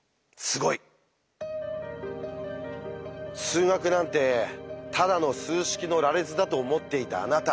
数学なんてただの数式の羅列だと思っていたあなた。